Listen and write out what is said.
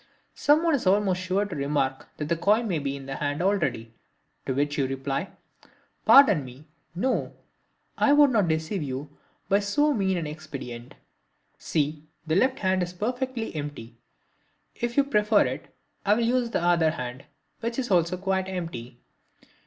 Someone is almost sure to remark that the coin may be in the hand already, to which you reply: "Pardon me, no, I would not deceive you by so mean an expedient. See, the left hand is perfectly empty. If you prefer it I will use the other hand, which is also quite empty."